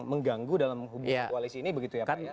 mengganggu dalam hubungan koalisi ini begitu ya pak ya